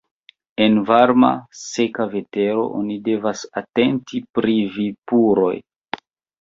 En varma, seka vetero oni devas atenti pri vipuroj.